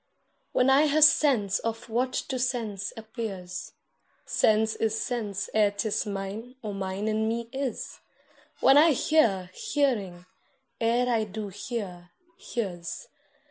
When I have sense of what to sense appears, Sense is sense ere 'tis mine or mine in me is. When I hear, Hearing, ere I do hear, hears.